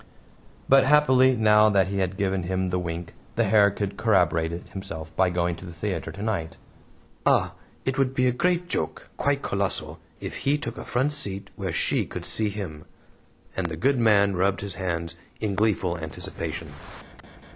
But happily, now that he had given him the wink, the Herr could corroborate it himself by going to the theater tonight. Ah, it would be a great joke quite colossal! if he took a front seat where she could see him. And the good man rubbed his hands in gleeful anticipation.